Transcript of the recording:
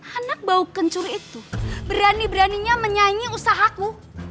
anak bau kencur itu berani beraninya menyanyi usahaku